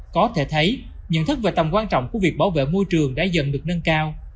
có thể thấy nhận thức về tầm quan trọng của việc bảo vệ môi trường đã dần được nâng cao